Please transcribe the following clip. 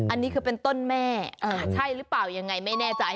อันนี้คือเป็นต้นแม่ใช่หรือเปล่ายังไงไม่แน่ใจ